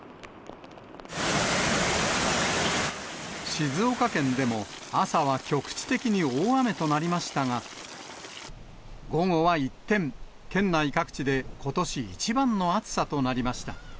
静岡県でも、朝は局地的に大雨となりましたが、午後は一転、県内各地でことし一番の暑さとなりました。